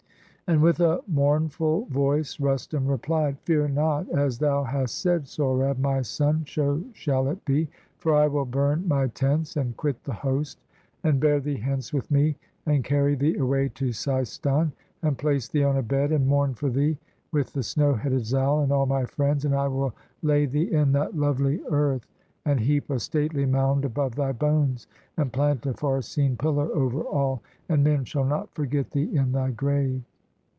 And, with a mournful voice, Rustum replied: — "Fear not! as thou hast said, Sohrab, my son, So shall it be: for I will burn my tents, And quit the host, and bear thee hence with me. And carry thee away to Seistan, And place thee on a bed, and mourn for thee. With the snow headed Zal, and all my friends. And I will lay thee in that lovely earth, 290 SOHRAB'S LAST CONTEST And heap a stately mound above thy bones, And plant a far seen pillar over all, And men shall not forget thee in thy grave.